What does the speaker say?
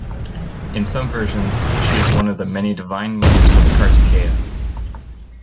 In some versions, she is one of the many divine mothers of Kartikeya.